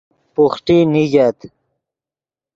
بوحٹی نیگت